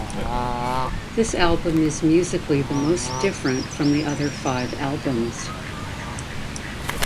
This album is musically the most different from the other five albums.